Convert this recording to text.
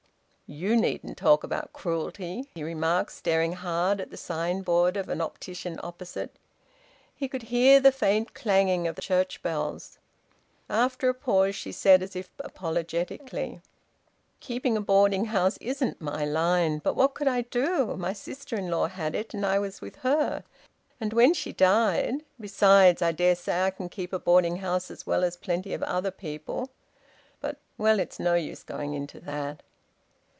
"You needn't talk about cruelty!" he remarked, staring hard at the signboard of an optician opposite. He could hear the faint clanging of church bells. After a pause she said, as if apologetically "Keeping a boarding house isn't my line. But what could I do? My sister in law had it, and I was with her. And when she died... Besides, I dare say I can keep a boarding house as well as plenty of other people. But well, it's no use going into that!"